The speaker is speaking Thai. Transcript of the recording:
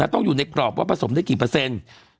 ต้องอยู่ในกรอบว่าผสมได้กี่เปอร์เซ็นต์